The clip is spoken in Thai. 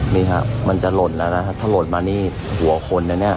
นี่ครับมันจะหล่นแล้วนะครับถ้าหล่นมานี่หัวคนนะเนี่ย